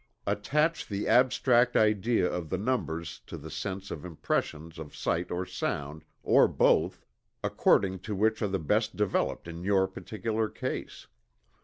_ Attach the abstract idea of the numbers to the sense of impressions of sight or sound, or both, according to which are the best developed in your particular case.